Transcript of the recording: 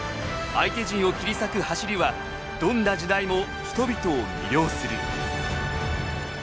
相手陣を切り裂く走りはどんな時代も人々を魅了する。